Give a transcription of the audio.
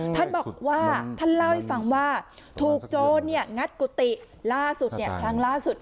ท่านบอกว่าท่านเล่าให้ฟังว่าถูกโจรงัดกุฏิล่าสุดครั้งล่าสุด